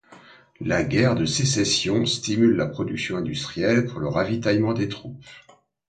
La Guerre de Sécession stimule la production industrielle pour le ravitaillement des troupes.